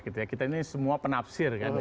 kita ini semua penafsir